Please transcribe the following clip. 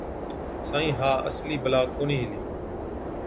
سائِين، ها اَصلِي بَلا ڪونهِي هِلِي۔